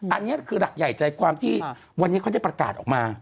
อันนี้คือหลักใหญ่ใจวันนี้เขาจะปราการออกมา